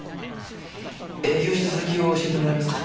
営業した先を教えてもらえますか？